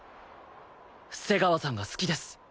瀬川さんが好きです。